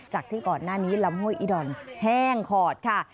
จากที่ก่อนหน้านี้ลำห้วยอิดอนแห้งขอดค่ะ